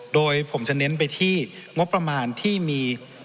โดยผมจะเน้นไปที่งบประมาณที่มี